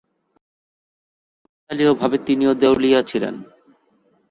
কাকতালীয়ভাবে তিনিও দেউলিয়া ছিলেন।